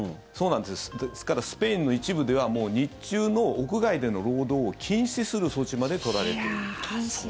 ですからスペインの一部では日中の屋外での労働を禁止する措置まで取られていると。